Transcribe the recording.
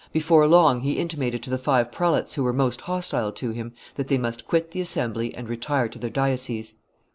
Before long he intimated to the five prelates who were most hostile to him that they must quit the assembly and retire to their dioceses.